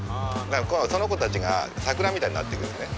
その子たちがサクラみたいになってくるよね。